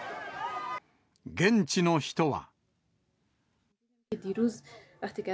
現地の人は。